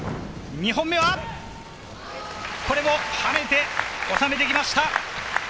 ２本目はこれも跳ねて収めてきました。